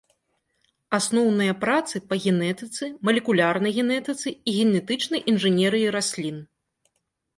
Асноўныя працы па генетыцы, малекулярнай генетыцы і генетычнай інжынерыі раслін.